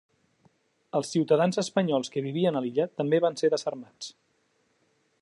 Els ciutadans espanyols que vivien a l'illa també van ser desarmats.